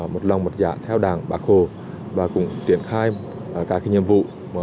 một lòng một dạng theo đảng bác hồ và cũng triển khai các nhiệm vụ